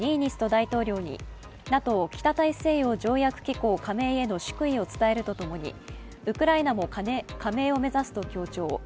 大統領にＮＡＴＯ＝北大西洋条約機構加盟への祝意を伝えるとともにウクライナも加盟を目指すと強調。